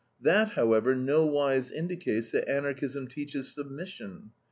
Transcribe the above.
That, however, nowise indicates that Anarchism teaches submission.